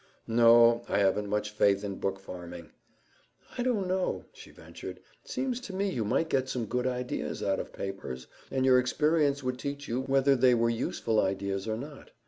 "No, I haven't much faith in book farming." "I don't know," she ventured. "Seems to me you might get some good ideas out of papers, and your experience would teach you whether they were useful ideas or not.